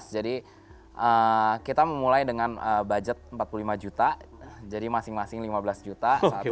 jadi kita memulai dengan budget empat puluh lima juta jadi masing masing lima belas juta saat itu